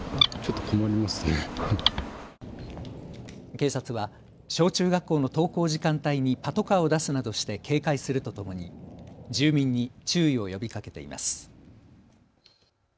警察は小中学校の登校時間帯にパトカーを出すなどして警戒するとともに住民に注意を呼びかけています。